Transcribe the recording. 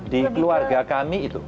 di keluarga kami itu